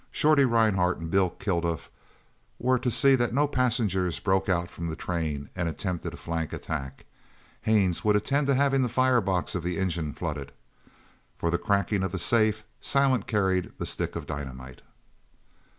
Shorty Rhinehart and Bill Kilduff were to see that no passengers broke out from the train and attempted a flank attack. Haines would attend to having the fire box of the engine flooded. For the cracking of the safe, Silent carried the stick of dynamite.